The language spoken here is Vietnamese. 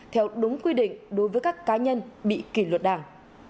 theo đúng quy định đối với các cá nhân bị kỷ luật đảng